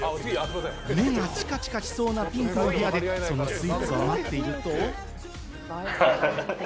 目がチカチカしそうなピンクの部屋で、そのスイーツを待っていると。